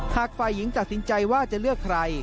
ฝ่ายหญิงตัดสินใจว่าจะเลือกใคร